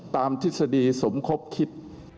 ทฤษฎีสมคบคิด